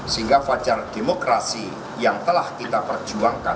sehingga fajar demokrasi yang telah kita perjuangkan